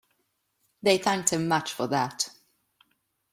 They thanked him much for that.